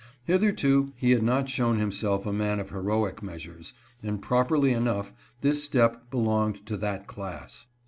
Hitherto, he had not shown himself a man of heroic measures, and, properly enough, this step belonged to that class.